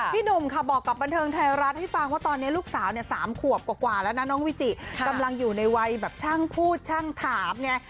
หนุ่มค่ะบอกกับบันเทิงไทยรัฐให้ฟังว่าตอนนี้ลูกสาวเนี่ย๓ขวบกว่าแล้วนะน้องวิจิกำลังอยู่ในวัยแบบช่างพูดช่างถามไง